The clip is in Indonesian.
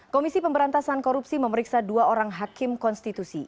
komisi pemberantasan korupsi memeriksa dua orang hakim konstitusi